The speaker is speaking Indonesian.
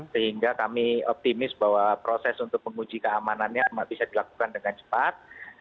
sehingga kami optimis bahwa proses untuk menguji keamanannya bisa dilakukan dengan cepat